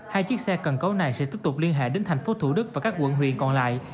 hai chiếc xe cần cấu này sẽ tiếp tục liên hệ đến thành phố thủ đức và các quận huyện còn lại